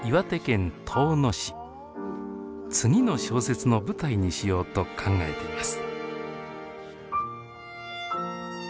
次の小説の舞台にしようと考えています。